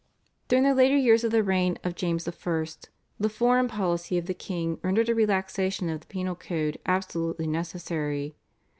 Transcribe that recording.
During the later years of the reign of James I. the foreign policy of the king rendered a relaxation of the penal code absolutely necessary.